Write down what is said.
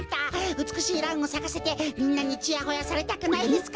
うつくしいランをさかせてみんなにちやほやされたくないですか？